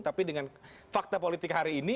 tapi dengan fakta politik hari ini